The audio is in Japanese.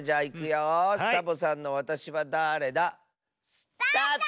スタート！